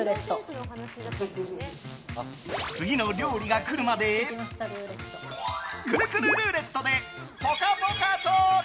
次の料理が来るまでくるくるルーレットでぽかぽかトーク！